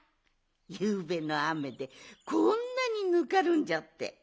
ゆうべのあめでこんなにぬかるんじゃって。